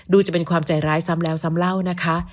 จะเป็นความใจร้ายซ้ำแล้วซ้ำเล่านะคะ